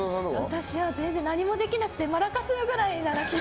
私は何もできなくてマラカスぐらいなら。